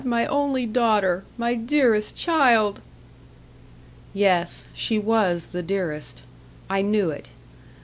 my only daughter my dearest child!" Yes, she was the dearest. I knew it.